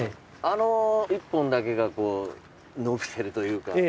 あの１本だけが伸びてるというか。